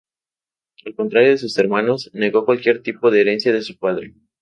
Al contrario de sus hermanos, negó cualquier tipo de herencia de su padre.